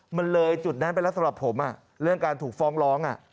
มันเลยจุดนั้นไปแล้วสำหรับผมเรื่องการถูกฟ้องร้อง